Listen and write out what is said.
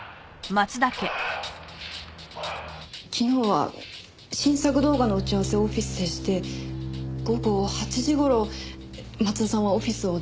昨日は新作動画の打ち合わせをオフィスでして午後８時頃松田さんはオフィスを出られました。